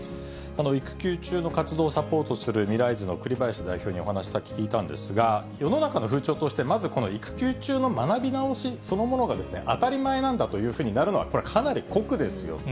育休中の活動をサポートするミライズの栗林代表にさっきお話、さっき聞いたんですが、世の中の風潮として、まず育休中の学び直し自体にそのものが、当たり前なんだというふうになるのはかなり酷ですよ。